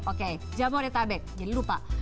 oke jabodetabek jadi lupa